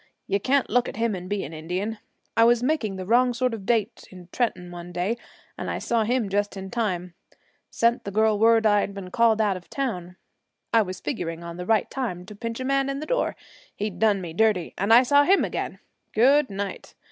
You can't look at him and be an Indian. I was making the wrong sort of date in Trenton one day, and I saw him just in time sent the girl word I'd been called out of town. I was figuring on the right time to pinch a man in the door, he'd done me dirty, and I saw him again. Good night!